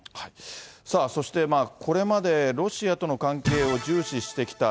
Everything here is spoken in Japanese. さあ、そしてこれまで、ロシアとの関係を重視してきたＮＡＴＯ